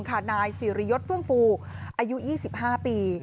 นายสิริยศเฟื่องฟูอายุ๒๕ปี